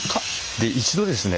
で一度ですね